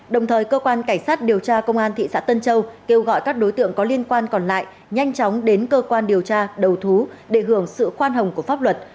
đồng thời cơ quan cảnh sát điều tra công an thị xã tân châu kêu gọi các đối tượng có liên quan còn lại nhanh chóng đến cơ quan điều tra đầu thú để hưởng sự khoan hồng của pháp luật